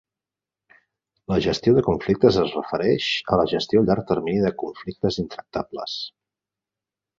La gestió de conflictes es refereix a la gestió a llarg termini de conflictes intractables.